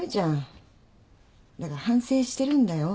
だから反省してるんだよ。